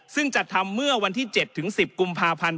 ซึ่งจัดทำเมื่อวันที่๗๑๐กุมภาพันธ์